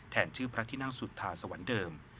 ชื่อพระที่นั่งสุธาสวรรค์เดิม